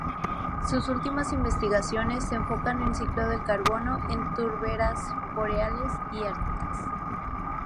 Sus últimas investigaciones se enfocan en ciclo del carbono en turberas boreales y árticas.